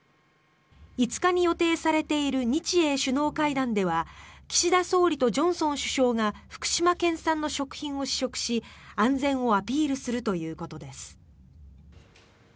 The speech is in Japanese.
５日に予定されている日英首脳会談では岸田総理とジョンソン首相が福島県産の食品を試食し安全をアピールするということです。